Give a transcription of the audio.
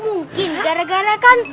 mungkin gara gara kan